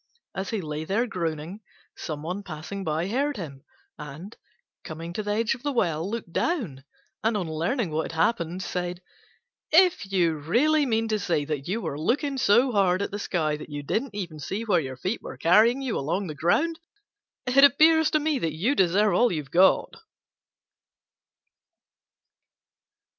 As he lay there groaning, some one passing by heard him, and, coming to the edge of the well, looked down and, on learning what had happened, said, "If you really mean to say that you were looking so hard at the sky that you didn't even see where your feet were carrying you along the ground, it appears to me that you deserve all you've got."